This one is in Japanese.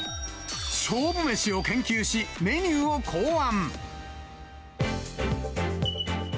勝負飯を研究し、メニューを考案。